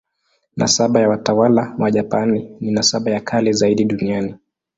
Nasaba ya watawala wa Japani ni nasaba ya kale zaidi duniani.